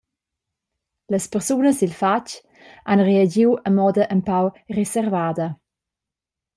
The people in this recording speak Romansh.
Las persunas dil fatg han reagiu a moda empau reservada.